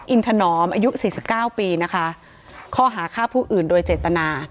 อินทนอมอายุ๔๙ปีนะคะข้อหาค่าผู้อื่นโดยเจตนา